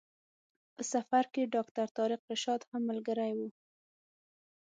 په سفر کې ډاکټر طارق رشاد هم ملګری و.